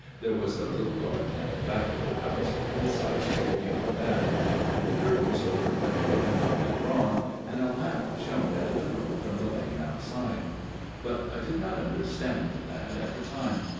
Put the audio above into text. There was a little garden at the back of the house and a side street beyond that. The curtains over the window had not been drawn, MONSIGNOR MAXWELL'S TALE 23 and a lamp shone into the room from the lane outside. But I did not understand that at the time.